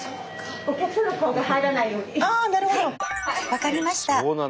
分かりました。